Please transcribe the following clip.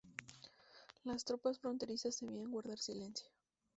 Las tropas fronterizas debían guardar silencio.